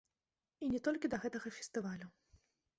І не толькі да гэтага фестывалю.